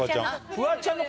フワちゃんの。